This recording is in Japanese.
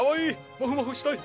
もふもふしたい。